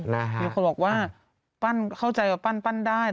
นะฮะคือเขาบอกว่าปั้นเข้าใจว่าปั้นได้